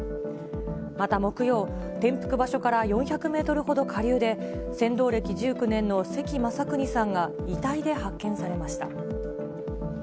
また木曜、転覆場所から４００メートルほど下流で、船頭歴１９年の関雅有さんが遺体で発見されました。